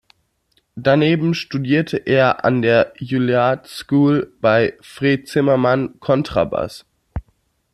Daneben studierte er an der Julliard School bei Fred Zimmerman Kontrabass.